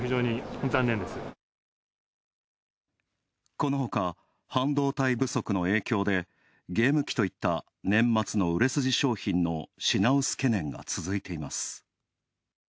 このほか半導体不足の影響で、ゲーム機といった年末の売れ筋商品の品薄懸念が続いています。